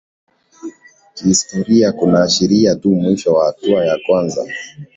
kihistoria kunaashiria tu mwisho wa hatua ya kwanza